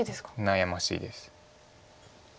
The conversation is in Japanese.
悩ましいです。